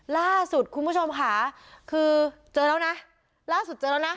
ล่าสุดคุณผู้ชมค่ะคือเจอแล้วนะล่าสุดเจอแล้วนะ